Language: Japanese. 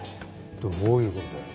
どういうことだよ。